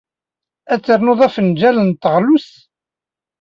Ad ternud afenjal n teɣlust?